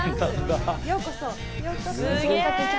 ようこそ！